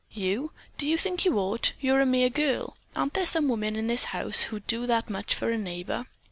"You? Do you think you ought? You're a mere girl. Aren't there some women in this house who'd do that much for a neighbor?"